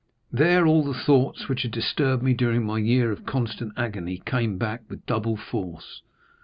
There all the thoughts which had disturbed me during my year of constant agony came back with double force.